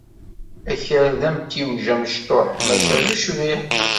Akal d amtiweg amecṭuḥ, maca d ucbiḥ.